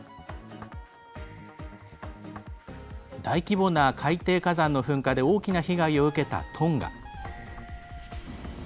大規模な海底火山の噴火で大きな被害を受けたトンガ。